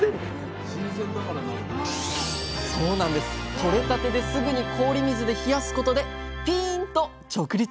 とれたてですぐに氷水で冷やすことでピーンと直立！